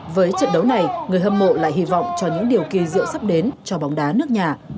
với trận đấu này người hâm mộ lại hy vọng cho những điều kỳ diệu sắp đến cho bóng đá nước nhà